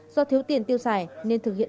do thiếu tiền tiêu xài nên thực hiện